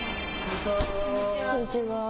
こんにちは。